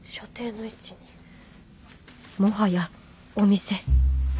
もはやお店。